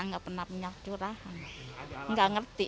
saya pernah minyak curah gak ngerti